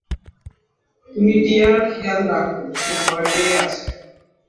তুমি টিয়ার খেয়াল রাখ, সে ভয় পেয়ে আছে।